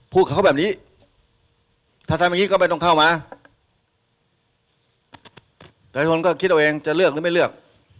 พูดแบบนี้ถ้าทำแบบนี้ก็ไม่ต้องเข้ามาแต่คนก็คิดเอาเองจะเลือกหรือไม่เลือก